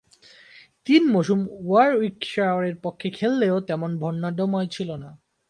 তিন মৌসুম ওয়ারউইকশায়ারের পক্ষে খেললেও তেমন বর্ণাঢ্যময় ছিল না।